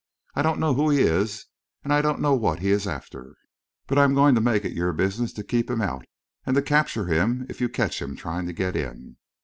I don't know who he is, and I don't know what he is after; but I am going to make it your business to keep him out, and to capture him if you catch him trying to get in."